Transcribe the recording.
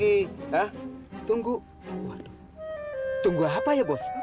itu teman jenipah